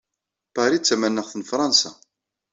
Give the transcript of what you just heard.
Paris d tamaneɣt n Fṛansa.